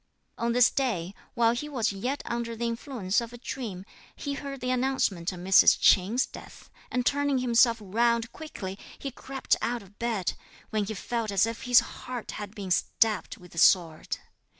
On this day, while he was yet under the influence of a dream, he heard the announcement of Mrs. Ch'in's death, and turning himself round quickly he crept out of bed, when he felt as if his heart had been stabbed with a sword.